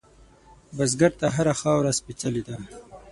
بزګر ته هره خاوره سپېڅلې ده